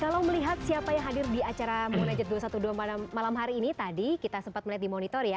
kalau melihat siapa yang hadir di acara munajat dua ratus dua belas malam hari ini tadi kita sempat melihat di monitor ya